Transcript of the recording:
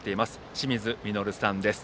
清水稔さんです。